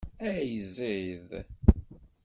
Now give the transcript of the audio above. Ay ẓid!